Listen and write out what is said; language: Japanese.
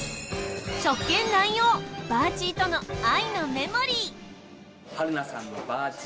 職権乱用、バーチーとの愛のメモリー。